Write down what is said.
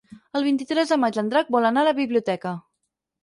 El vint-i-tres de maig en Drac vol anar a la biblioteca.